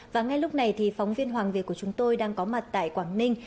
và ngay lúc này thì phóng viên hoàng việt của chúng tôi đang có mặt tại quảng ninh